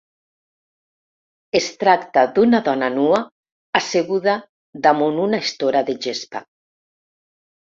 Es tracta d’una dona nua asseguda damunt una estora de gespa.